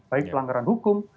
baik pelanggaran hukum